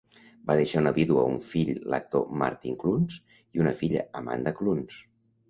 Va deixar una vídua, un fill, l'actor Martin Clunes, i una filla, Amanda Clunes.